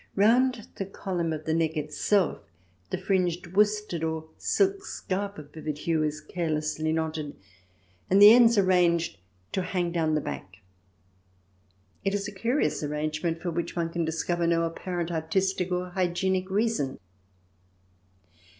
Round the column of the neck itself the fringed worsted or silk scarf of vivid hue is carelessly knotted, and the ends arranged to hang down the back. It is a curious arrangement for which one can discover no apparent artistic or hygienic reason.